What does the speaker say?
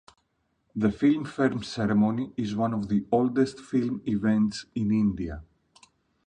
The Filmfare ceremony is one of the oldest film events in India.